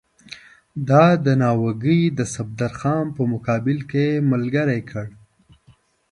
او د ناوګۍ د صفدرخان په مقابل کې یې ملګری کړ.